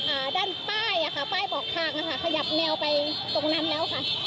อ่าด้านป้ายอ่ะค่ะป้ายบอกทางอ่ะค่ะขยับแนวไปตรงนั้นแล้วค่ะ